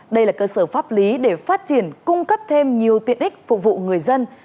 đây là cơ sở pháp lý để phát triển cung cấp thêm nhiều tiện ích phục vụ người dân